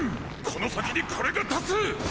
この先にコレが多数！